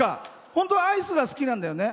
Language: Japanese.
本当はアイスが好きなんだよね。